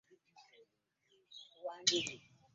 Ewa jjajjaawo wavaayo nga musowaganye.